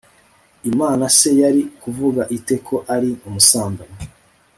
imana se yari kuvuga ite ko ari umusambanyi